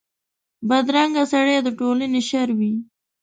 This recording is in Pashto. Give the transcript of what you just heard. بدرنګه سړي د ټولنې شر وي